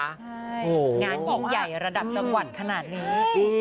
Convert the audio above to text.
โอ้โฮบอกว่างานยิ่งใหญ่ระดับจังหวัดขนาดนี้